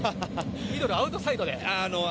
ミドルのアウトサイドで。